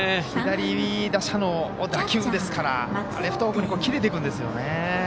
左打者の打球ですからレフト方向に切れていくんですよね。